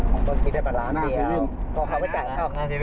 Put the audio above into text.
เมื่อกี้ได้ประมาณร้านเดียวเขาไปจ่ายแล้วได้ร้านเดียว